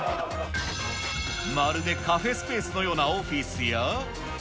まるでカフェスペースのようなオフィスや。